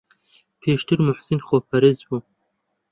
پێشتر موحسین خۆپەرست بوو.